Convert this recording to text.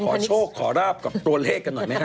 กลับมาขอโชคขอราบกับตัวเลขกันหน่อยไหมครับ